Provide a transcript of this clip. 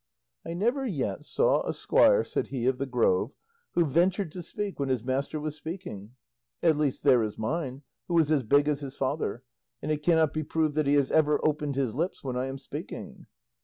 "I never yet saw a squire," said he of the Grove, "who ventured to speak when his master was speaking; at least, there is mine, who is as big as his father, and it cannot be proved that he has ever opened his lips when I am speaking."